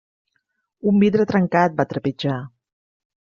Un vidre trencat, va trepitjar.